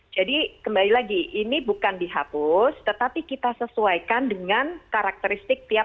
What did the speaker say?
jadi kembali lagi ini bukan dihapus tetapi kita sesuaikan dengan karakteristiknya